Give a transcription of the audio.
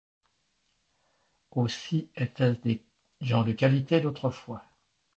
Aussi était-ce des gens de qualité d’autrefois.